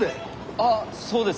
あっそうです。